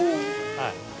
はい。